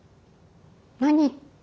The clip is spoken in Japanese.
何って。